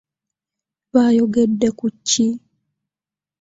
Baayogedde ku ki?